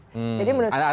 jadi menurut saya